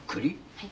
はい。